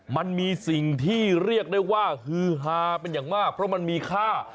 มันมีสิ่งที่เรียกได้ว่าฮือฮาเป็นอย่างมากเพราะมันมีค่า